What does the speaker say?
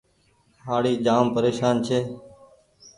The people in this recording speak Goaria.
هآڙي جآم پريشان ڇي۔